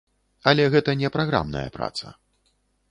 Але гэта не праграмная праца.